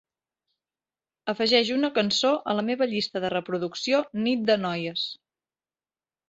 Afegeix una cançó a la meva llista de reproducció Nit de noies